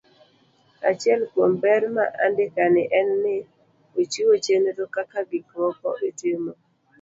Achiel kuom ber mar andikani en ni ochiwo chenro kaka gik moko itimo.